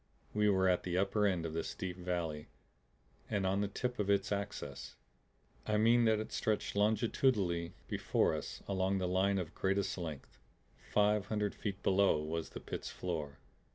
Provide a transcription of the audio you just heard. We were at the upper end of this deep valley and on the tip of its axis; I mean that it stretched longitudinally before us along the line of greatest length. Five hundred feet below was the pit's floor.